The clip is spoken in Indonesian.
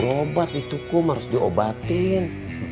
obat itu kum harus diobatin